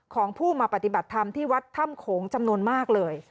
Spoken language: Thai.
ของผู้มาปฏิบัติธรรมที่วัดถ้ำโขงจำนวนมากเลย